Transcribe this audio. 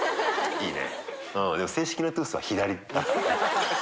いいね！